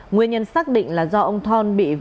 nguyên nhân xác định là do ông thon bị